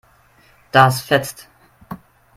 Das fetzt.